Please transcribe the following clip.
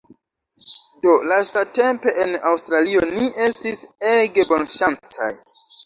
Do lastatempe en Aŭstralio ni estis ege bonŝancaj